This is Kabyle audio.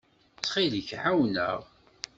Ttxil-k, ɛawen-aɣ.